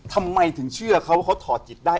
ทำไมถึงเชื่อเขาว่าเขาถอดจิตได้